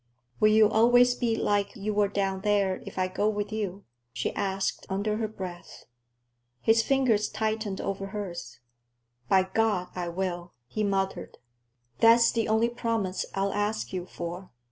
"Will you always be like you were down there, if I go with you?" she asked under her breath. His fingers tightened on hers. "By God, I will!" he muttered. "That's the only promise I'll ask you for.